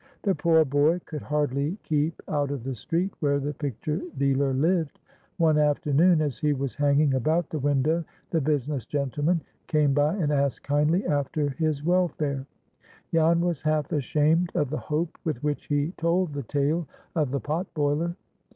The poor boy could hardly keep out of the street where the picture dealer lived. One afternoon, as he was hanging about the window, the business gentleman came by and asked kindly after his welfare. Jan was half ashamed of the hope with which he told the tale of the pot boiler.